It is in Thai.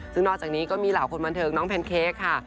ซึ่งนอกจากนี้ก็มีหลาวคมันเทิกน้องแพนเกคค่ะ